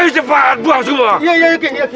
cepat buang semua